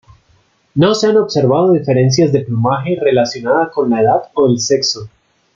No se han observado diferencias de plumaje relacionada con la edad o el sexo.